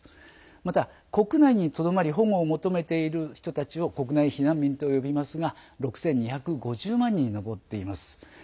また、国内にとどまり保護を求めている人たちを国内避難民と呼びますが６２５０万人に上っています。